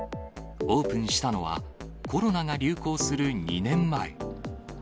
オープンしたのは、コロナが流行する２年前。